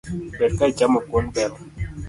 Ber ka ichamo kuon bel